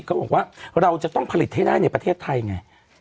เขาบอกว่าเราจะต้องผลิตให้ได้ในประเทศไทยไง